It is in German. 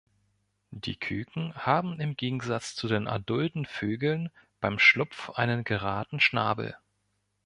Die Küken haben im Gegensatz zu den adulten Vögeln beim Schlupf einen geraden Schnabel.